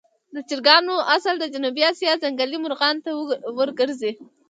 د چرګانو اصل د جنوبي آسیا ځنګلي مرغانو ته ورګرځي.